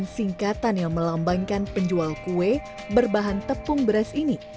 singkatan yang melambangkan penjual kue berbahan tepung beras ini